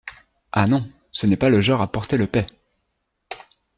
Ah non, c’est pas le genre à porter le pet.